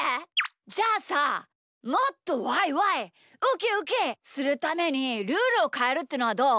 じゃあさもっとワイワイウキウキするためにルールをかえるってのはどう？